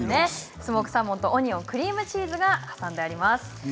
スモークサーモンとオニオンクリームチーズを挟んであります。